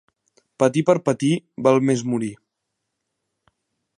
Patir per patir, val més morir.